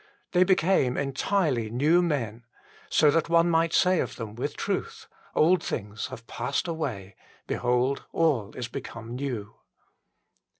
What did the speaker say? They became entirely new men, so that one might say of them with truth :" Old things have passed away : behold, all is become new."